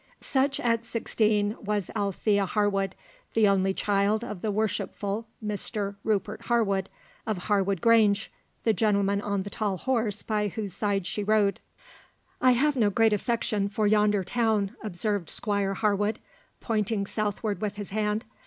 Such at sixteen was Alethea Harwood, the only child of the Worshipful Mr Rupert Harwood, of Harwood Grange, the gentleman on the tall horse by whose side she rode. "I have no great affection for yonder town," observed Squire Harwood, pointing southward with his hand.